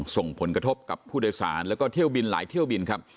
ส่งผลกระทบกับผู้โดยสารแล้วก็เที่ยวบินหลายเที่ยวบินครับ